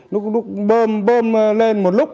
nước bơm lên một lúc